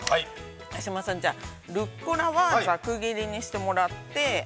八嶋さん、ルッコラは、ざく切りにしてもらって。